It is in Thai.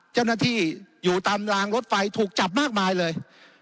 เจ้าหน้าที่อยู่ตามรางรถไฟถูกจับมากมายเลย